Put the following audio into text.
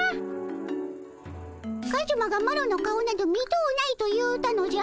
カズマがマロの顔など見とうないと言うたのじゃ。